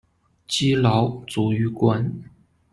积劳卒于官。